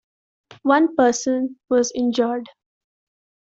One person was injured.